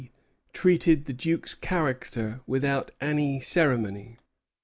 treated the Duke's character without any ceremony.